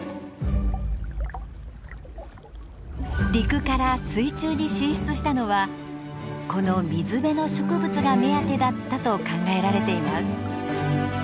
陸から水中に進出したのはこの水辺の植物が目当てだったと考えられています。